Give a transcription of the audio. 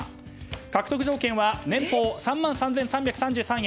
獲得条件は年俸３万３３３３円。